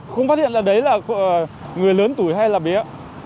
không phát hiện là đấy là của người lớn tuổi hay là bé